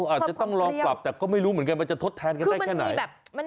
อาจจะต้องลองปรับแต่ก็ไม่รู้เหมือนกันมันจะทดแทนกันได้แค่ไหน